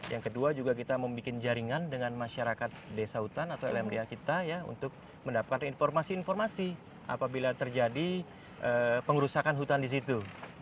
yang kedua juga kita membuat jaringan dengan masyarakat desa hutan atau lmda kita ya untuk mendapatkan informasi informasi apabila terjadi pengurusakan hutan di situ